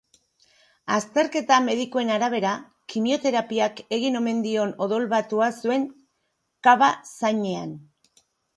Azterketa medikuen arabera, kimioterapiak eragin omen dion odolbatua zuen kaba zainean.